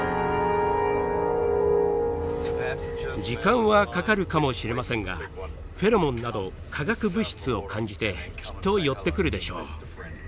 時間はかかるかもしれませんがフェロモンなど化学物質を感じてきっと寄ってくるでしょう。